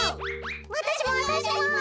わたしもわたしも！